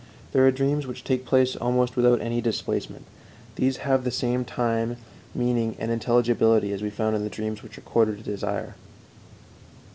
There are dreams which take place almost without any displacement. These have the same time, meaning, and intelligibility as we found in the dreams which recorded a desire.